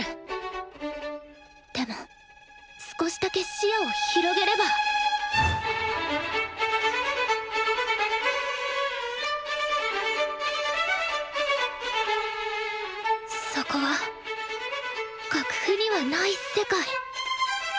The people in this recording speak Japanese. でも少しだけ視野を広げればそこは楽譜にはない世界。